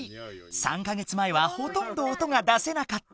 ３か月前はほとんど音が出せなかった。